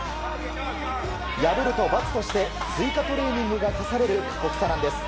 やぶると罰として追加トレーニングが課される過酷さなんです。